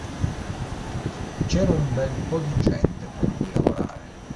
C'era un bel po' di gente con cui lavorare.